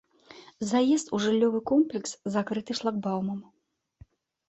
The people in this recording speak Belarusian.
Заезд у жыллёвы комплекс закрыты шлагбаумам.